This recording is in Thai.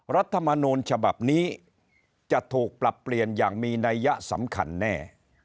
รัฐมนูลฉบับนี้จะถูกปรับเปลี่ยนอย่างมีนัยยะสำคัญแน่